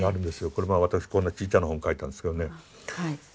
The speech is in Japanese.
これまあ私こんなちいちゃな本を書いたんですけどね。